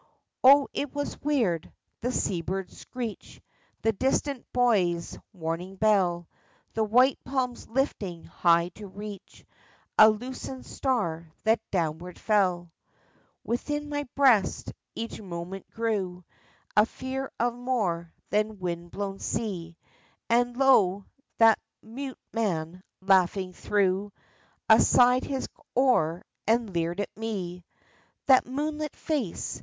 Oh, it was weird !— the seabird's screech, The distant buoy's warning bell, The white palms lifting high to reach A loosened star that downward fell ! Within my breast each moment grew A fear of more than wind blown sea ; And lo ! that mute man, laughing, threw Aside his oar and leered at me. That moonlit face